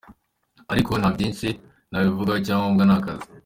Ariko ntabyinshi nabivugaho icyangombwa ni akazi.